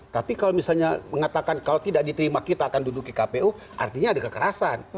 tapi kalau misalnya mengatakan kalau tidak diterima kita akan duduk di kpu artinya ada kekerasan